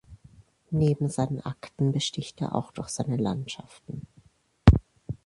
Neben seinen Akten besticht er auch durch seine Landschaften.